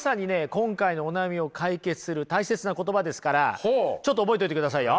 今回のお悩みを解決する大切な言葉ですからちょっと覚えといてくださいよ。